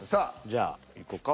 じゃあいこか。